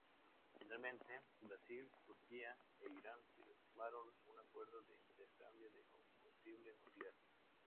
Finalmente, Brasil, Turquía e Irán firmaron un acuerdo de intercambio de combustible nuclear.